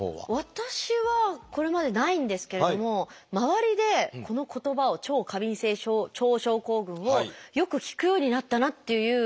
私はこれまでないんですけれども周りでこの言葉を「過敏性腸症候群」をよく聞くようになったなっていう印象がありますね。